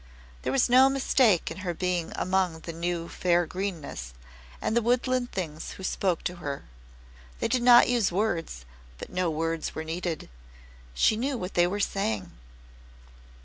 There was no mistake in her being among the new fair greenness, and the woodland things who spoke to her. They did not use words, but no words were needed. She knew what they were saying.